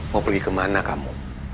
mau pergi kemana kamu